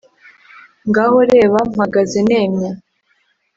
ngaho reba mpagaze nemye